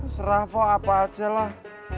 serah po apa aja lah